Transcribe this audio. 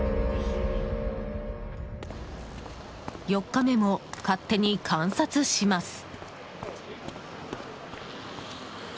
４日目も勝手に観察します。